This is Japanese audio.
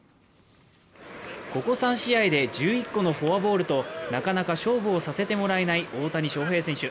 ここ３試合で１１個のフォアボールとなかなか勝負をさせてもらえない大谷翔平選手。